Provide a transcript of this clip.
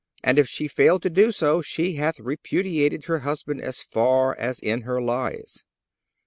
And if she fail to do so she hath repudiated her husband as far as in her lies."